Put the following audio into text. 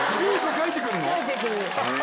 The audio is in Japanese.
書いてくる。